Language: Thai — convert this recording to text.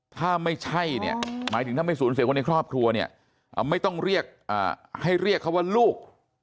ถ้าไม่ใช่เนี่ยหมายถึงถ้าไม่สูญเสียคนในครอบครัวเนี่ยไม่ต้องเรียกให้เรียกเขาว่าลูก